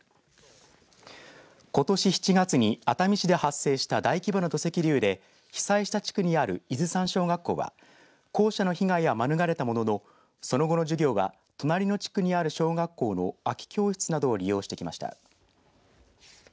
ことし７月に熱海市で発生した大規模な土石流で被災した地区にある伊豆山小学校は校舎の被害は免れたもののその後の授業は隣の地区にある小学校の空き教室などを利用してきました。